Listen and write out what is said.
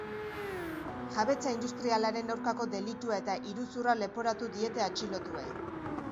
Jabetza industrialaren aurkako delitua eta iruzurra leporatu diete atxilotuei.